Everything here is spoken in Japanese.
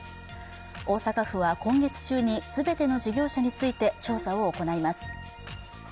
大阪府は今月中に全ての事業者について調査を行います。